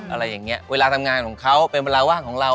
อะไรอย่างนี้เวลาทำงานของเขาเป็นเวลาว่างของเรา